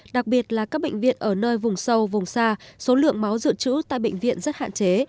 đặc biệt là các bệnh viện ở nơi vùng sâu vùng xa số lượng máu dự trữ tại bệnh viện rất hạn chế